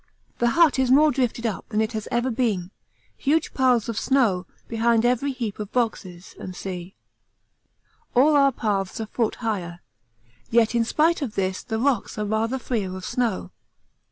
The hut is more drifted up than it has ever been, huge piles of snow behind every heap of boxes, &c., all our paths a foot higher; yet in spite of this the rocks are rather freer of snow.